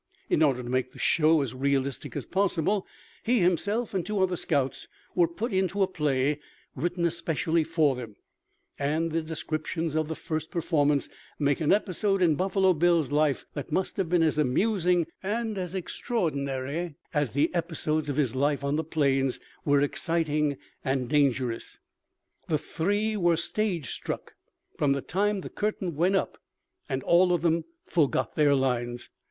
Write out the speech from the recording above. In order to make the show as realistic as possible, he himself and two other scouts were put into a play written especially for them, and the descriptions of the first performance make an episode in Buffalo Bill's life that must have been as amusing and as extraordinary as the episodes of his life on the plains were exciting and dangerous. The three were stagestruck from the time the curtain went up, and all of them forgot their lines.